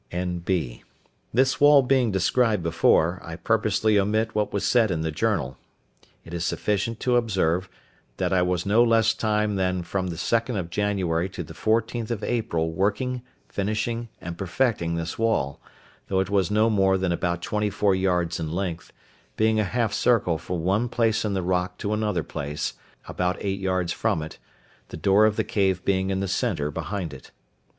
N.B.—This wall being described before, I purposely omit what was said in the journal; it is sufficient to observe, that I was no less time than from the 2nd of January to the 14th of April working, finishing, and perfecting this wall, though it was no more than about twenty four yards in length, being a half circle from one place in the rock to another place, about eight yards from it, the door of the cave being in the centre behind it.